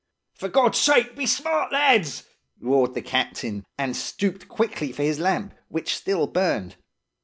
"'For God's sake, be smart, lads!' roared the captain, and stooped quickly for his lamp, which still burned.